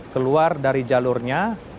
keluar dari jalurnya